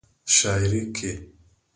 شاعرۍ کې